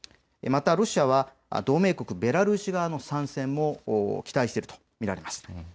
またロシアは同盟国ベラルーシ側の参戦も期待していると見られます。